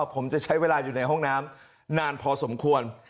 ผมจะใช้เวลาอยู่ในห้องน้ำนานพอสมควร